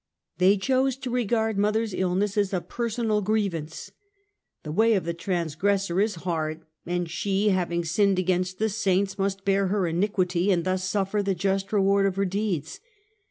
They chose to regard mother's illness as a personal grievance. "The way of the transgressor is hard;" and she, having sinned against the saints, must bear her iniquity, and thus suifer the just reward of her deeds.